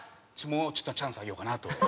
もうちょっとチャンスあげようかなと。